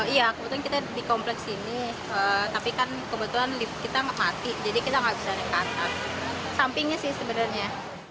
iya kebetulan kita di kompleks ini tapi kan kebetulan lift kita mati jadi kita nggak bisa naik ke atas sampingnya sih sebenarnya